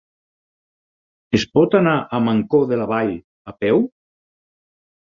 Es pot anar a Mancor de la Vall a peu?